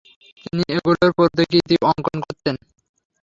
তিনি এগুলোর প্রতিকৃতি অঙ্কন করতেন।